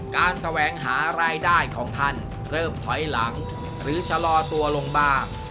แสวงหารายได้ของท่านเริ่มถอยหลังหรือชะลอตัวลงบ้าง